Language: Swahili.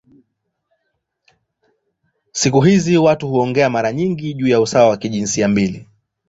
Siku hizi watu huongea mara nyingi juu ya usawa wa jinsia mbili.